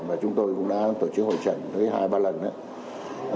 và chúng tôi cũng đã tổ chức hội trận với hai ba lần